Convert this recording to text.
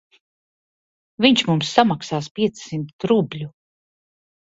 Viņš mums samaksās piecsimt rubļu.